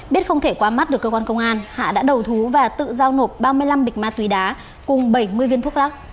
biết không thể qua mắt được cơ quan công an hạ đã đầu thú và tự giao nộp ba mươi năm bịch ma túy đá cùng bảy mươi viên thuốc lắc